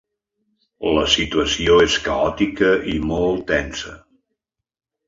La situació és caòtica i molt tensa.